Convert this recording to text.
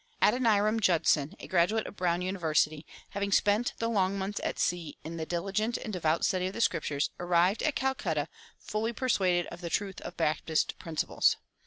Adoniram Judson, a graduate of Brown University, having spent the long months at sea in the diligent and devout study of the Scriptures, arrived at Calcutta fully persuaded of the truth of Baptist principles.